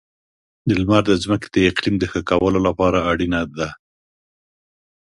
• لمر د ځمکې د اقلیم د ښه کولو لپاره اړینه ده.